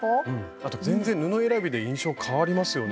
あと全然布選びで印象変わりますよね